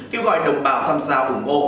kêu gọi đồng bào tham gia ủng hộ